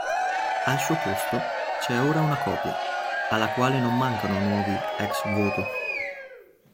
Al suo posto c'è ora una copia, alla quale non mancano nuovi "ex voto".